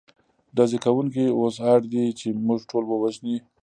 ډزې کوونکي اوس اړ دي، چې موږ ټول ووژني.